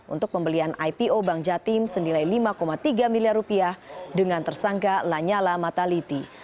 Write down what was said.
untuk pembelian ipo bank jatim senilai lima tiga miliar rupiah dengan tersangka lanyala mataliti